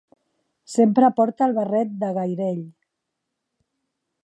Sempre porta el barret de gairell.